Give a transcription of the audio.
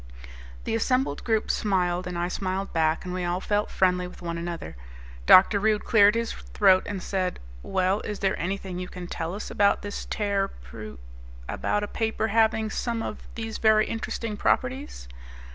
The assembled group smiled, and I smiled back, and we all felt friendly with one another. Dr. Rude cleared his throat and said, "Well, is there anything you can tell us about this tearpr ... about a paper having some of these very interesting properties?"